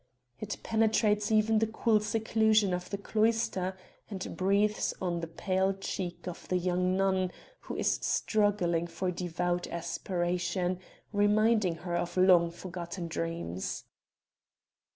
It penetrates even the cool seclusion of the cloister and breathes on the pale cheek of the young nun who is struggling for devout aspiration, reminding her of long forgotten dreams.